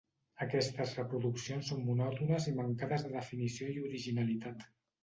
Aquestes reproduccions són monòtones i mancades de definició i originalitat.